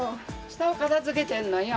下を片づけてんのよ。